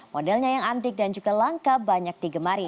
modelnya yang antik dan juga langka banyak digemari